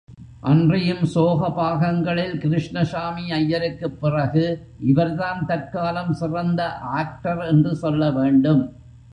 அன்றியும் சோக பாகங்களில், கிருஷ்ணசாமி ஐயருக்குப் பிறகு, இவர்தான் தற்காலம் சிறந்த ஆக்டர் என்று சொல்ல வேண்டும்.